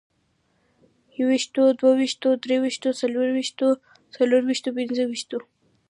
يوويشتو، دوه ويشتو، درويشتو، څلرويشتو، څلورويشتو، پنځه ويشتو